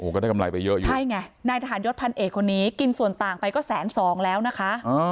ก็ได้กำไรไปเยอะอยู่ใช่ไงนายทหารยศพันเอกคนนี้กินส่วนต่างไปก็แสนสองแล้วนะคะ